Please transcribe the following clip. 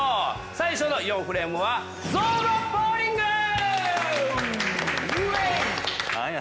最初の４フレームは。何や？